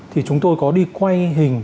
thì chúng tôi có đi quay hình